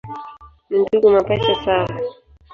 Ni ndugu mapacha sawa.